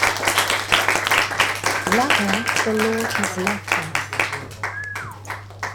Lover, the Lord Has Left Us...